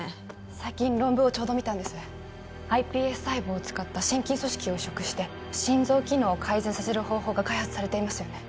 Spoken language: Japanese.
最近論文をちょうど見たんですｉＰＳ細胞を使った心筋組織を移植して心臓機能を改善させる方法が開発されていますよね